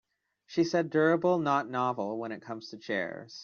She said durable not novel when it comes to chairs.